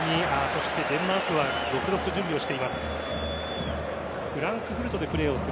そしてデンマークは続々と準備をしています。